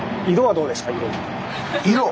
色？